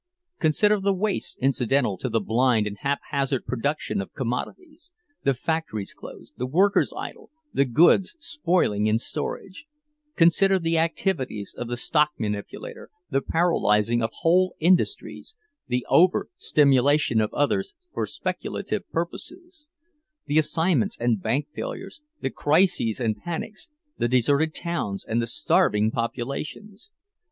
Consider the wastes incidental to the blind and haphazard production of commodities—the factories closed, the workers idle, the goods spoiling in storage; consider the activities of the stock manipulator, the paralyzing of whole industries, the overstimulation of others, for speculative purposes; the assignments and bank failures, the crises and panics, the deserted towns and the starving populations!